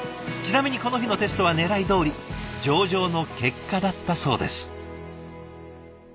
ちなみにこの日のテストはねらいどおり上々の結果だったそうです。